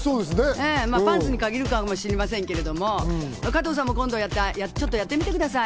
パンツに限るかもしれませんけど、加藤さんも今度ちょっとやってみてください。